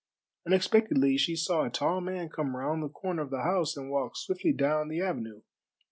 Unexpectedly she saw a tall man come round the corner of the house and walk swiftly down the avenue.